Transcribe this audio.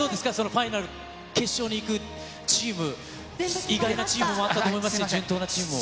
ファイナル、決勝に行くチーム、意外なチームもあったと思いますが、順当なチームも。